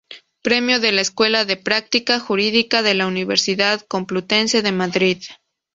Premio de la Escuela de Práctica Jurídica de la Universidad Complutense de Madrid.